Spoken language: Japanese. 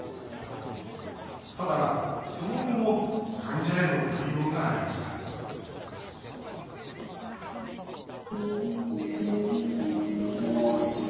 ただその後も患者への対応がありましたおはようございます。